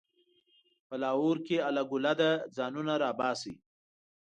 په لاهور کې هله ګوله ده؛ ځانونه راباسئ.